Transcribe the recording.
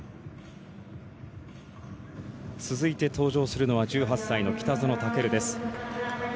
続いて登場するのは１８歳の北園丈琉です。